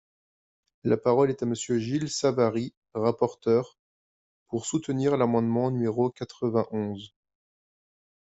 La parole est à Monsieur Gilles Savary, rapporteur, pour soutenir l’amendement numéro quatre-vingt-onze.